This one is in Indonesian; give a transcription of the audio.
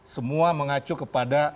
semua mengacu kepada